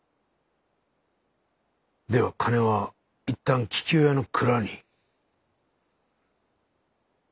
では金は一旦桔梗屋の蔵に。